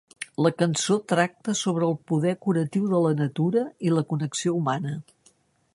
La cançó tracta sobre el poder curatiu de la natura i la connexió humana.